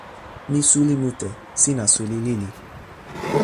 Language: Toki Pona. mi suli mute. sina suli lili.